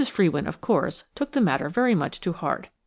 Frewin, of course, took the matter very much to heart.